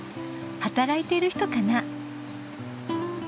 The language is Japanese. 働いている人かな？